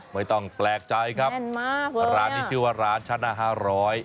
ไม่ต้องแปลกใจครับร้านนี้ชื่อว่าร้านชนะห้าร้อย